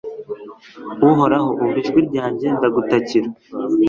Uhoraho umva ijwi ryanjye ndagutakira